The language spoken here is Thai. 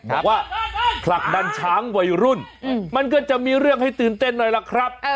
บอกว่าผลักดันช้างวัยรุ่นมันก็จะมีเรื่องให้ตื่นเต้นหน่อยล่ะครับ